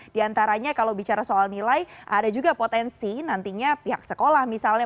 di antaranya kalau bicara soal nilai ada juga potensi nantinya pihak sekolah misalnya